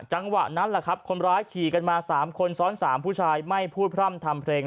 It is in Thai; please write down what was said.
จังหวะนั้นแหละครับคนร้ายขี่กันมา๓คนซ้อน๓ผู้ชายไม่พูดพร่ำทำเพลง